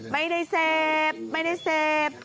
ไม่ได้เสพไม่ได้เสพ